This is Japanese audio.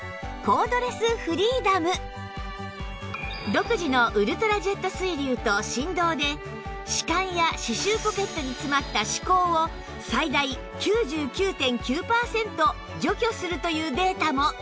独自のウルトラジェット水流と振動で歯間や歯周ポケットに詰まった歯垢を最大 ９９．９ パーセント除去するというデータも